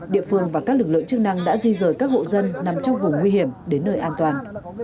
địa phương và các lực lượng chức năng đã di rời các hộ dân nằm trong vùng nguy hiểm đến nơi an toàn